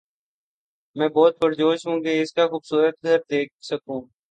میں بہت پرجوش ہوں کہ اس کا خوبصورت گھر دیکھ سکوں